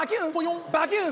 バキュン！